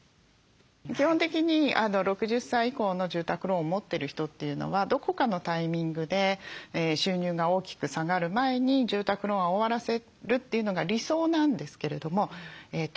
基本的に６０歳以降の住宅ローンを持ってる人というのはどこかのタイミングで収入が大きく下がる前に住宅ローンは終わらせるというのが理想なんですけれども時と場合による。